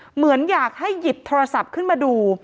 เหมือนอยากให้หยิบโทรศัพท์ขึ้นมาดู